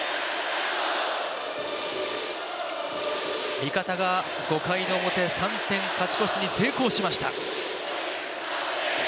味方が５回の表、３点勝ち越しに成功しました。